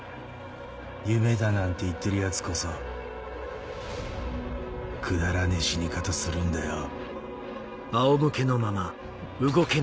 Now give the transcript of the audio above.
夢だなんて言ってる奴こそくだらねえ死に方するんだよ。